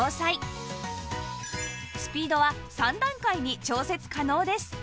スピードは３段階に調節可能です